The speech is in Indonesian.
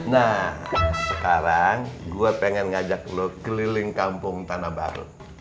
nah sekarang gue pengen ngajak lo keliling kampung tanah baru